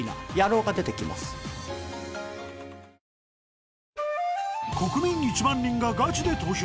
ニトリ国民１万人がガチで投票！